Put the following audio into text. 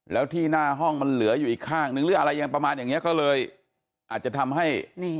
แล้วที่หน้าห้องมันเหลืออยู่อีกข้างนึงหรืออะไรยังประมาณอย่างนี้ก็เลยอาจจะทำให้